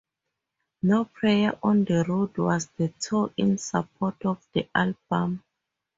No Prayer on the Road was the tour in support of the album.